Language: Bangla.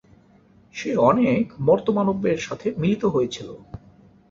সে অনেক মর্ত্য-মানবের সাথে মিলিত হয়েছিল।